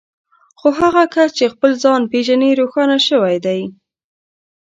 خو هغه کس چې خپل ځان پېژني روښانه شوی دی.